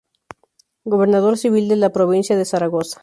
Gobernador Civil de la provincia de Zaragoza.